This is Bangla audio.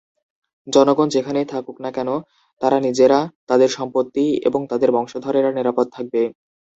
জনগণ যেখানেই থাকুক না কেন তারা নিজেরা, তাদের সম্পত্তি এবং তাদের বংশধরেরা নিরাপদ থাকবে।